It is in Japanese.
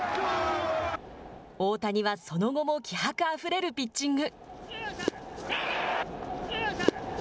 大谷はその後も気迫あふれるピッチング。